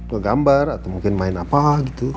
gak gambar atau mungkin main apa gitu